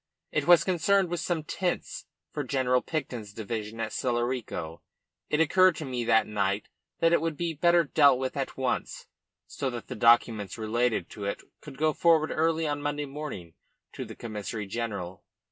It was concerned with some tents for General Picton's division at Celorico. It occurred to me that night that it would be better dealt with at once, so that the documents relating to it could go forward early on Monday morning to the Commissary General.